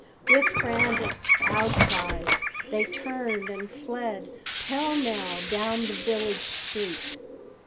With frantic outcries they turned and fled pell mell down the village street.